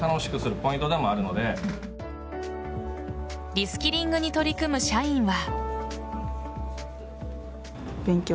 リスキリングに取り組む社員は。